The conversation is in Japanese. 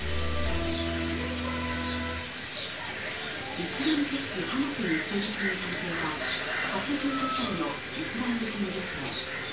イスラム組織ハマスに人質にされていた８５歳のイスラエル人女性。